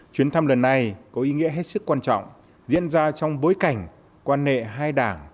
chuyến thăm lần này có ý nghĩa hết sức quan trọng diễn ra trong bối cảnh quan hệ hai đảng